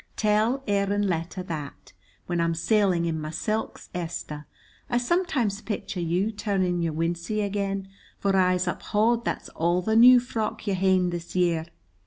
Tell Aaron Latta that. When I'm sailing in my silks, Esther, I sometimes picture you turning your wincey again, for I'se uphaud that's all the new frock you've ha'en the year.